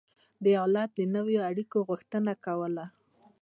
دې حالت د نویو اړیکو غوښتنه کوله.